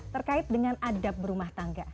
terkait dengan adab berumah tangga